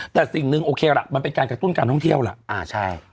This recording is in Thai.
แต่สิ่งหนึ่งโอเคล่ะมันเป็นการกระตุ้นการท่องเที่ยวล่ะ